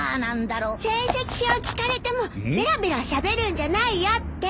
成績表聞かれてもべらべらしゃべるんじゃないよって。